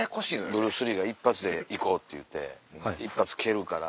ブルース・リーが「一発でいこう」って言うて一発蹴るから。